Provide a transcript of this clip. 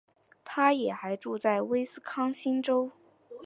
她也还住在威斯康星州。